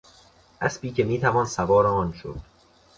اسبی که میتوان سوار آن شد